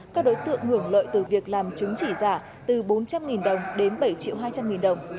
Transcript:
các đối tượng ngưỡng lợi từ việc làm chứng chỉ giả từ bốn trăm linh đồng đến bảy hai trăm linh đồng